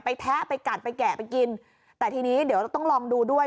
แทะไปกัดไปแกะไปกินแต่ทีนี้เดี๋ยวเราต้องลองดูด้วย